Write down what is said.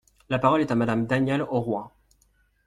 La parole est à Madame Danielle Auroi.